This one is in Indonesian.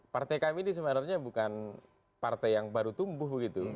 partai kami ini sebenarnya bukan partai yang baru tumbuh gitu